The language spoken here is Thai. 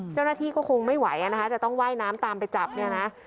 เจ้าหน้าที่ก็คงไม่ไหวอ่ะนะคะจะต้องไหว้น้ำตามไปจับนะฮะ